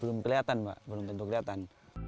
belum kelihatan mbak belum tentu kelihatan